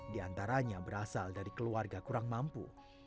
di antaranya berasal dari keluarga kurang mampu